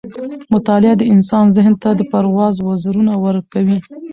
مطالعه د انسان ذهن ته د پرواز وزرونه ورکوي.